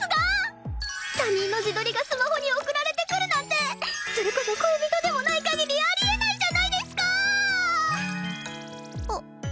他人の自撮りがスマホに送られてくるなんてそれこそ恋人でもない限りあり得ないじゃないですか！